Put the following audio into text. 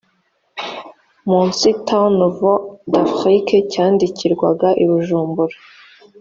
munsi temps nouveaux d afriques cyandikirwaga i bujumbura